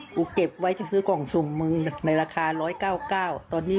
กูเก็บไว้เธอซื้อกล่องสุ่มมึงในราคา๑๙๙บาท